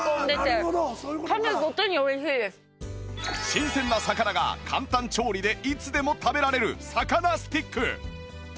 新鮮な魚が簡単調理でいつでも食べられる魚スティック